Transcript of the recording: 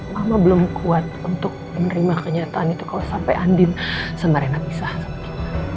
mama belum kuat untuk menerima kenyataan itu kalo sampe andin sama reina pisah sama kita